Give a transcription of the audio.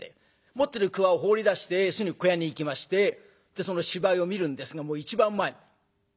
持ってるくわを放り出してすぐ小屋に行きましてその芝居を見るんですがもう一番前かぶりつき。